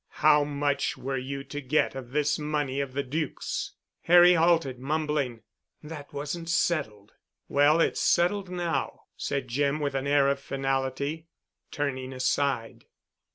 "How much were you to get of this money of the Duc's?" Harry halted, mumbling, "That wasn't settled." "Well, it's settled now," said Jim, with an air of finality, turning aside.